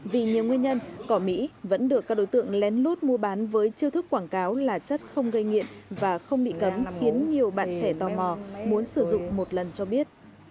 vì nhiều nguyên nhân cỏ mỹ vẫn được các đối tượng lén lút mua bán với chiêu thức quảng cáo là chất không gây nghiện và không bị cấm khiến nhiều bạn trẻ tò mò muốn sử dụng một lần cho biết